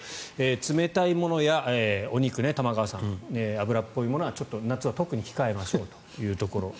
冷たいものや、お肉玉川さん、脂っぽいものはちょっと夏は特に控えましょうというところ。